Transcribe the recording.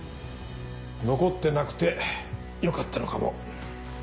残ってなくてよかったのかも。